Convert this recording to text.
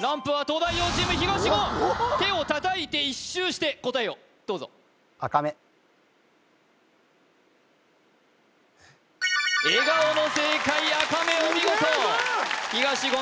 ランプは東大王チーム東言手を叩いて一周して答えをどうぞ笑顔の正解アカメお見事東言